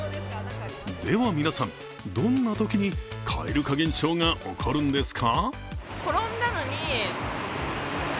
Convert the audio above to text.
では皆さん、どんなときに蛙化現象が起こるんですか？